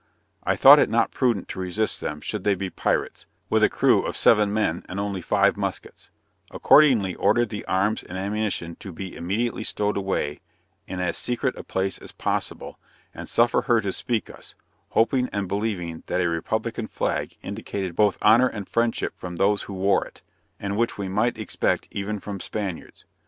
I thought it not prudent to resist them, should they be pirates, with a crew of seven men, and only five muskets; accordingly ordered the arms and ammunition to be immediately stowed away in as secret a place as possible, and suffer her to speak us, hoping and believing that a republican flag indicated both honor and friendship from those who wore it, and which we might expect even from Spaniards.